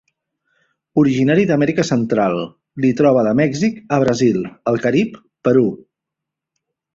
Originari d'Amèrica central, l'hi troba de Mèxic a Brasil, el Carib, Perú.